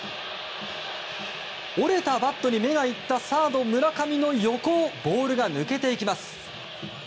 折れたバットに目が行ったサード、村上の横をボールが抜けていきます。